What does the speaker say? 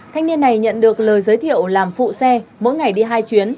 thanh niên này nhận được lời giới thiệu làm phụ xe mỗi ngày đi hai chuyến